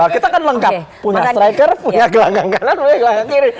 kita kan lengkap punya striker punya gelanggang kanan punya gelanggang kiri